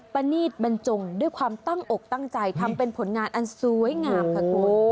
ประนีตบรรจงด้วยความตั้งอกตั้งใจทำเป็นผลงานอันสวยงามค่ะคุณ